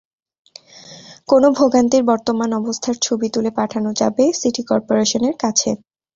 কোনো ভোগান্তির বর্তমান অবস্থার ছবি তুলে পাঠানো যাবে সিটি করপোরেশনের কাছে।